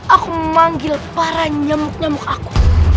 aku memanggil para nyamuk nyamuk aku